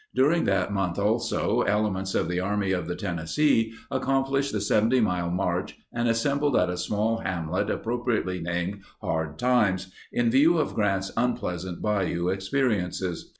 During that month also, elements of the Army of the Tennessee accomplished the 70 mile march and assembled at a small hamlet appropriately named, Hard Times, in view of Grant's unpleasant bayou experiences.